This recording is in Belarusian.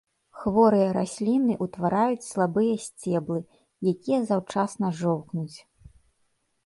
Хворыя расліны ўтвараюць слабыя сцеблы, якія заўчасна жоўкнуць.